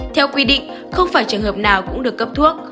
theo quy định không phải trường hợp nào cũng được cấp thuốc